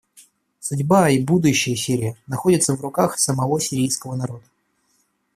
Судьба и будущее Сирии находятся в руках самого сирийского народа.